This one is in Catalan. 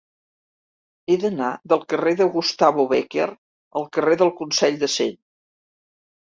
He d'anar del carrer de Gustavo Bécquer al carrer del Consell de Cent.